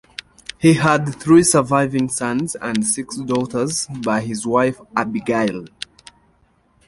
He had three surviving sons and six daughters by his wife Abigail.